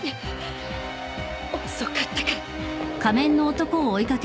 遅かったか。